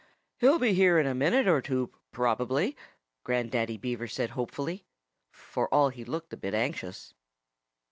"He'll be here in a minute or two, probably," Grandaddy Beaver said hopefully, for all he looked a bit anxious.